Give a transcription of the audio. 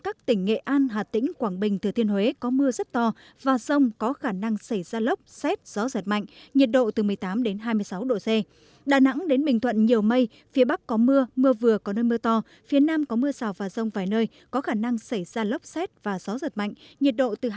các tỉnh nghệ an hà tĩnh quảng bình và thừa thiên huế có mưa to đến rất to với lượng mưa phổ biến từ một trăm linh hai trăm năm mươi mm trên hai mươi bốn h có nơi trên ba trăm linh mm trên hai mươi bốn h